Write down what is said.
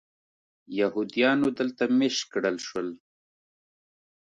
یهودیانو دلته مېشت کړل شول.